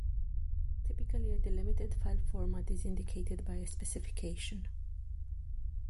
Typically a delimited file format is indicated by a specification.